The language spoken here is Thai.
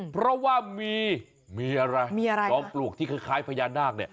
เพราะว่ามีมีอะไรจอปลวกที่คล้ายพญานาค